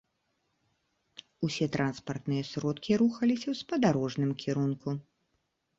Усе транспартныя сродкі рухаліся ў спадарожным кірунку.